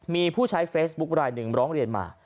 มีผู้ใช้เฟซบุ๊คลายหนึ่งร้องเรียนมา